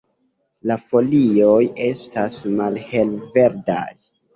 La folioj estas malhelverdaj.